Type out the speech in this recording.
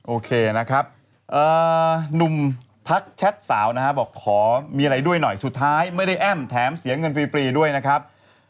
โอเคนะครับหนุ่มทักแชทสาวนะฮะบอกขอมีอะไรด้วยหน่อยสุดท้ายไม่ได้แอ้มแถมเสียเงินฟรีด้วยนะครับ